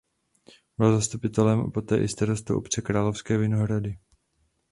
Byl zastupitelem a poté i starostou obce Královské Vinohrady.